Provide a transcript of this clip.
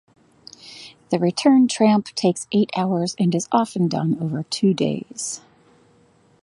The return tramp takes eight hours and is often done over two days.